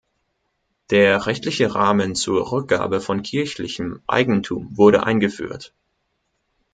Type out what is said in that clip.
Der rechtliche Rahmen zur Rückgabe von kirchlichem Eigentum wurde eingeführt.